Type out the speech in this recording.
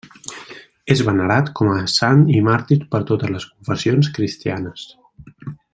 És venerat com a sant i màrtir per totes les confessions cristianes.